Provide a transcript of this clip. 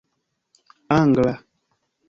angla